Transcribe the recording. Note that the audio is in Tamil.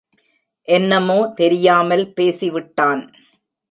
என்னமோ தெரியாமல் பேசிவிட்டான்.